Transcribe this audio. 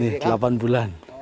ini delapan bulan